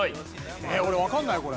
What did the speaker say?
えっ俺わかんないこれ。